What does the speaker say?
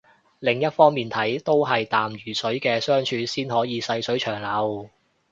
另一方面睇都係淡如水嘅相處先可以細水長流